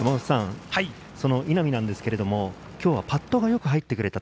その稲見ですが、今日はパットがよく入ってくれた。